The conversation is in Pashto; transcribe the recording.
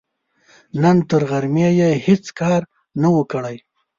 نن تر غرمې يې هيڅ کار نه و، کړی.